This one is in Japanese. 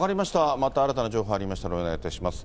また新たな情報入りましたらお願いいたします。